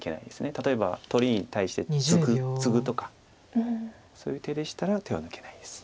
例えば取りに対してツグとかそういう手でしたら手は抜けないです。